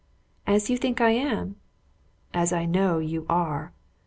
"As you think I am?" "As I know you are."